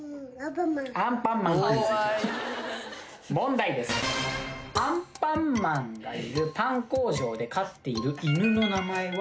アンパンマンがいるパン工場で飼っている犬の名前は？